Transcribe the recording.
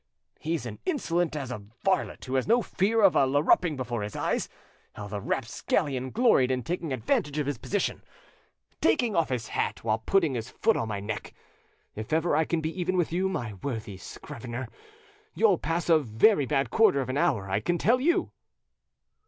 "He's as insolent as a varlet who has no fear of a larruping before his eyes: how the rapscallion gloried in taking advantage of his position! Taking off his hat while putting his foot on my neck! If ever I can be even with you, my worthy scrivener, you'll pass a very bad quarter of an hour, I can tell you."